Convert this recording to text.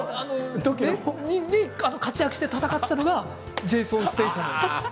その時に活躍して戦っていたのはジェイソン・ステイサムで。